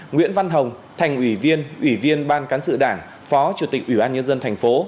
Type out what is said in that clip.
nguyễn văn hồng thành ủy viên ủy viên ban cán sự đảng phó chủ tịch ủy ban nhân dân thành phố